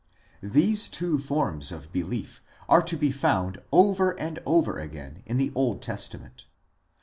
These two forms of belief are to be found over and over again in the Old Testament.